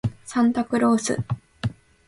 サンタクロース